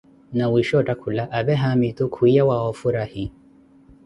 Nawisha otthakula, apee haamitu kwiiya wa ofurahi.